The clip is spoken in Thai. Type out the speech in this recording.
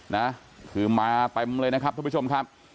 นะคือมาเต็มเลยนะครับทุกผู้ชมครับ